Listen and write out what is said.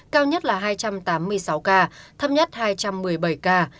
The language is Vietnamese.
cao nhất là hai trăm tám mươi sáu ca thấp nhất hai trăm một mươi bảy ca